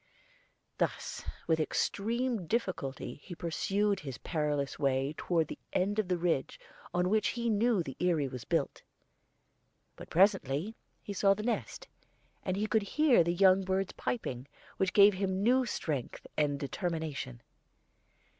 Thus with extreme difficulty he pursued his perilous way toward the end of the ridge on which he knew the eyrie was built. But presently he saw the nest, and could hear the young birds piping, which gave him new strength and determination.